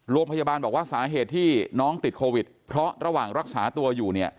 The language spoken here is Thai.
โรงพยาบาลบอกว่าสาเหตุที่น้องติดโควิดเพราะระหว่างรักษาตัวอยู่เนี่ย